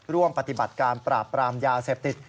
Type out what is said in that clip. ร่วมปฏิบัติการปราบปรามยาเสพติด